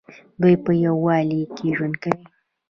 دوی په یووالي کې ژوند کوي.